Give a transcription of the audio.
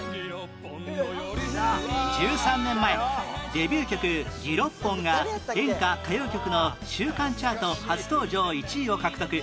１３年前デビュー曲『六本木 ＧＩＲＯＰＰＯＮ』が演歌・歌謡曲の週間チャート初登場１位を獲得